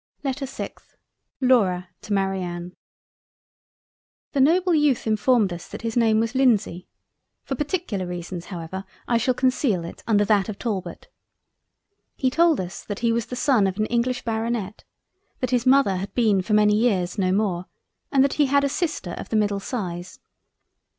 LETTER 6th LAURA to MARIANNE The noble Youth informed us that his name was Lindsay—for particular reasons however I shall conceal it under that of Talbot. He told us that he was the son of an English Baronet, that his Mother had been for many years no more and that he had a Sister of the middle size.